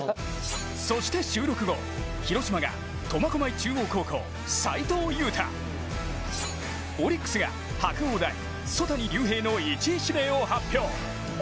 そして、収録後広島が、苫小牧中央高校斉藤優汰オリックスが白鴎大・曽谷龍平の１位指名を発表。